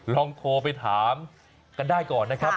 ลองโทรไปถามกันได้ก่อนนะครับ